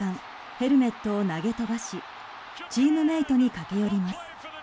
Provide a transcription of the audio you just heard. ヘルメットを投げ飛ばしチームメートに駆け寄ります。